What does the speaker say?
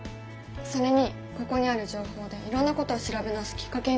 それにここにある情報でいろんなことを調べ直すきっかけになるんじゃない？